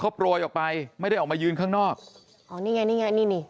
เขาโปรยออกไปไม่ได้ออกมายืนข้างนอกอ๋อนี่ไงนี่ไงนี่นี่